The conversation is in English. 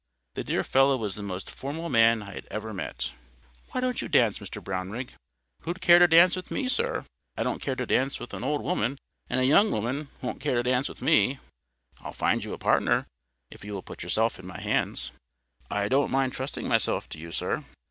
The dear fellow was the most formal man I had ever met. "Why don't you dance, Mr Brownrigg?" "Who'd care to dance with me, sir? I don't care to dance with an old woman; and a young woman won't care to dance with me." "I'll find you a partner, if you will put yourself in my hands." "I don't mind trusting myself to you, sir."